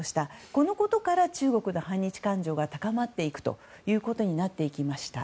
このことから中国の反日感情が高まっていくことになっていきました。